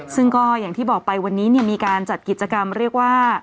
ซึ่งก็อย่างที่บอกไปวันนี้มีการจัดกิจกรรมเรียกว่า